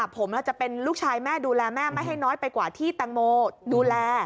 ผมจะเป็นลูกชายแม่ดูแลแม่ไม่ให้น้อยไปกว่าที่แตงโมดูแล